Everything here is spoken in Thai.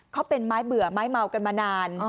เขาเป็นไม้เบื่อไม้เมากันมานาน